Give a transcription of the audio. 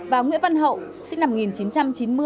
và nguyễn văn hậu sinh năm một nghìn chín trăm chín mươi